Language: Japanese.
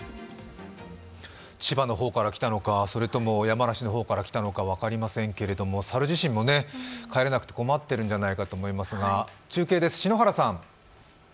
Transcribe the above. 千葉の方から来たのか、それとも山梨の方から来たのか分かりませんけれども猿自身も帰れなくて困っているんではないかと思いますが、中継です。